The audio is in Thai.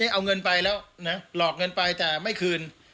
เอาเงินไปแล้วนะหลอกเงินไปแต่ไม่คืน